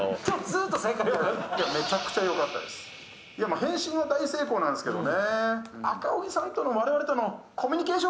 変身も大成功なんですけどね。